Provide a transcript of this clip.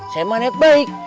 saya mah net baik